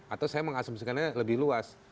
atau saya mengasumsikannya lebih luas